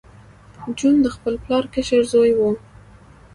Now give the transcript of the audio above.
جون د خپل پلار کشر زوی و